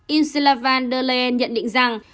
insula van der leyen nhận định rằng